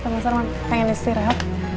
mas arman pengen istirahat